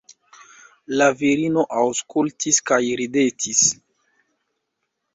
La virino aŭskultis kaj ridetis.